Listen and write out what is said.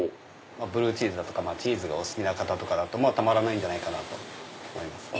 ブルーチーズとかチーズがお好きな方だとたまらないんじゃないかなぁと思いますね。